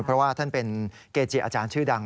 เพราะว่าท่านเป็นเกจิอาจารย์ชื่อดัง